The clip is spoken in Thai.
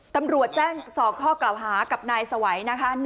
ตำรวจแจ้ง๒ข้อกล่าวหากับนายสวัยนะคะ